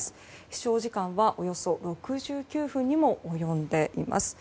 飛翔時間はおよそ６９分にも及んでいます。